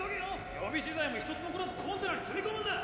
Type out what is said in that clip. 予備資材も一つ残らずコンテナに積み込むんだ！